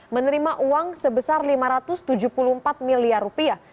menerima uang sebesar lima ratus tujuh puluh empat miliar rupiah